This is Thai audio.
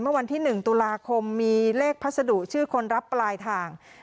เมื่อวันที่๑ตุลาคมมีเลขพัสดุชื่อคนรับปลายทาง